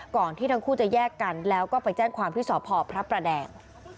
ก่อนที่ทั้งคู่จะแยกกันแล้วก็ไปแจ้งความที่สพพระประแดง